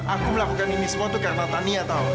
aku melakukan ini semua tuh karena tania tau